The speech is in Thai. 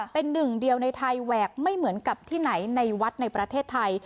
เป็นหนึ่งเดียวในไทยแหวกไม่เหมือนกับที่ไหนในวัดในประเทศไทย